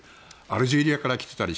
アルジェリアから来ていたり